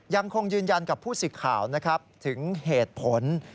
ยังคงยืนยันกับผู้สิทธิ์ข่าวนะครับถึงเหตุผล